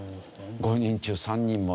５人中３人もいる。